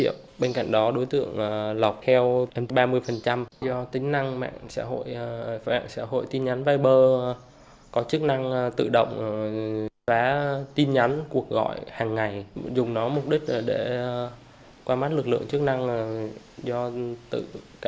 phòng ẩn xã hội tin nhắn viper có chức năng tự động xác nhận sinh viên vishnu ogawa